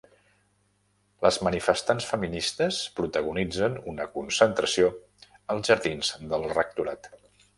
Les manifestants feministes protagonitzen una concentració als jardins del rectorat